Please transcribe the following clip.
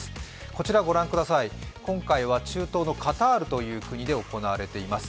こちらご覧ください、今回は中東のカタールという国で行われています。